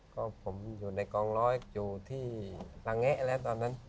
ก็ผมอยู่ในกองร้อยอยู่ที่ระแงะแล้วตอนนั้น